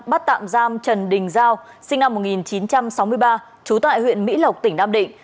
bắt tạm giam trần đình giao sinh năm một nghìn chín trăm sáu mươi ba trú tại huyện mỹ lộc tỉnh nam định